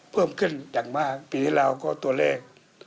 เพิ่มขึ้นอย่างมากปีที่แล้วก็ตัวเลข